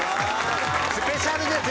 スペシャルです。